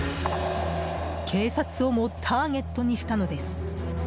警察をもターゲットにしたのです。